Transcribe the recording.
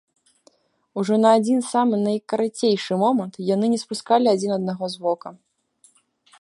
Ужо на адзін самы найкарацейшы момант яны не спускалі адзін аднаго з вока.